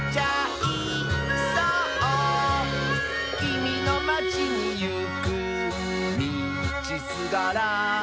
「きみのまちにいくみちすがら」